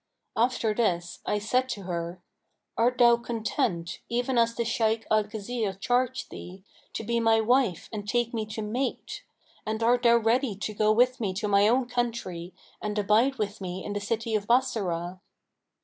After this, I said to her, 'Art thou content, even as the Shaykh Al Khizr charged thee, to be my wife and take me to mate; and art thou ready to go with me to my own country and abide with me in the city of Bassorah?'